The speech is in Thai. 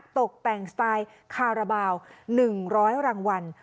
ตกแต่งสไตล์คาราบาล๑๐๐รางวัล